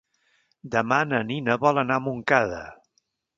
Demà na Nina vol anar a Montcada.